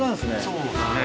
そうですね。